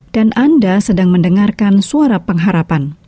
dan anda sedang mendengarkan suara pengharapan